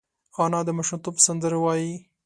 انا د ماشومتوب سندرې وايي